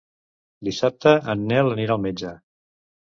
Dissabte en Nel anirà al metge.